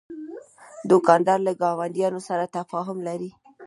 دوکاندار له ګاونډیانو سره تفاهم لري.